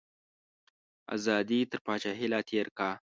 ازادي تر پاچاهیه لا تیری کا.